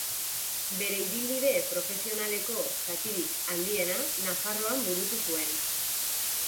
Bere ibilbide profesionaleko zatirik handiena Nafarroan burutu zuen.